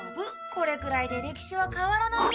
これくらいで歴史は変わらないよ。